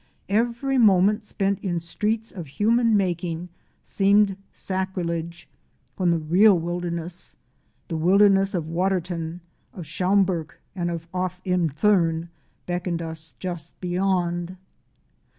Every moment spent in streets of human making seemed sacrilege when the real wilderness — the wilderness of Waterton, of Schomburgk and of im Thurn — beckoned to us just beyond.